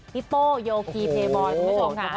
โป้โยคีเพย์บอยคุณผู้ชมค่ะ